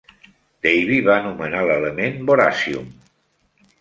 Davy va anomenar l'element "boracium".